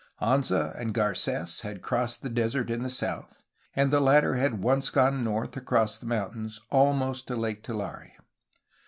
Anza and Carets had crossed the desert in the south, and the latter had once gone north across the mountains almost to Lake Tulare.